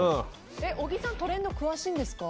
小木さんトレンドに詳しいんですか？